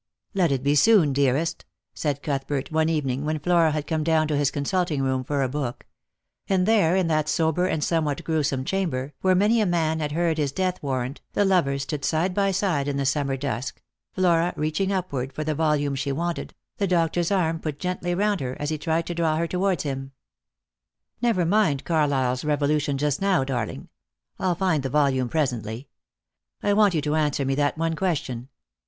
" Let it be soon, dearest," said Cuthbert, one evening when Flora had come down to his consulting room for a book; and there in that sober and somewhat gruesome chamber, where many a man had heard his death warrant, the lovers stood side by side in the summer dusk, Flora reaching upward for the volume she wanted, the doctor's arm put gently round her as he tried to draw her towards him. " Never mind Oarlyle's Revolution, just now, darling. I'll find the volume presently. I want you to answer me that one question.